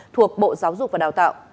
thuộc bộ giáo dục và đào tạo